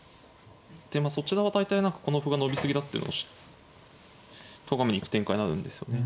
でそちらは大体何かこの歩が伸び過ぎだっていうのをとがめに行く展開になるんですよね。